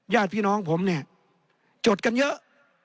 ญาติพี่น้องผมเนี่ยจดกันเยอะ